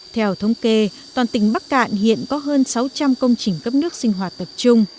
theo thống kê toàn tỉnh bắc cạn hiện có hơn sáu trăm linh công trình cấp nước sinh hoạt tập trung